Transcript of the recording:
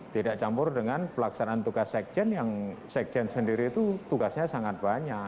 tidak campur dengan pelaksanaan tugas sekjen yang sekjen sendiri itu tugasnya sangat banyak